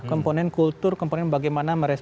komponen kultur komponen bagaimana